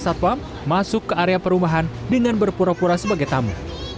satpam masuk ke area perumahan dengan berpura pura sebagai tamu